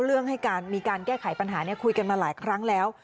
เรื่องให้การมีการแก้ไขปัญหาคุยกันมาหลายครั้งแล้ว